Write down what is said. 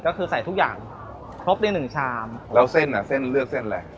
ก็คือใส่ทุกอย่างครบได้หนึ่งชามแล้วเส้นอ่ะเส้นเลือกเส้นอะไร